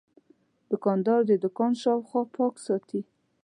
دوکاندار د دوکان شاوخوا پاک ساتي.